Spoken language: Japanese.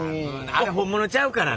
これ本物ちゃうからね。